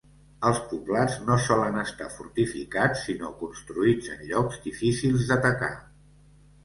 Els poblats no solen estar fortificats sinó construïts en llocs difícils d'atacar.